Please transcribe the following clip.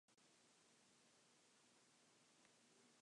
He was a completely wonderful man because everybody felt calmed by him.